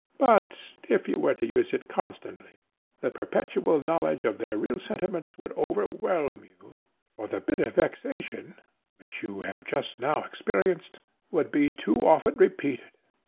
But, if you were to use it constantly, the perpetual knowledge of their real sentiments would overwhelm you, for the bitter vexation, which you have just now experienced, would be too often repeated.